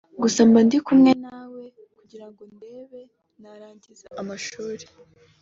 gusa mba ndi kumwe nawe kugira ngo ndebe narangiza amashuri